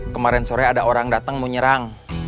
kemarin sore ada orang datang mau nyerang